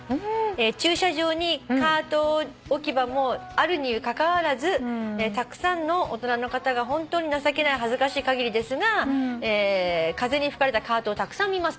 「駐車場にカート置き場があるにもかかわらずたくさんの大人の方が本当に情けない恥ずかしいかぎりですが風に吹かれたカートをたくさん見ます」と。